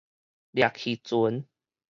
掠魚船